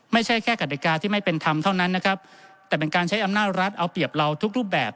ไม่ใช่แค่กฎิกาที่ไม่เป็นธรรมเท่านั้นนะครับแต่เป็นการใช้อำนาจรัฐเอาเปรียบเราทุกรูปแบบ